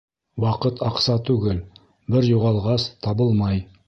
Ваҡыт аҡса түгел, бер юғалғас, табылмай.